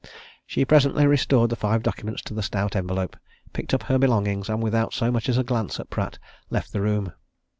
She presently restored the five documents to the stout envelope, picked up her other belongings, and without so much as a glance at Pratt, left the room.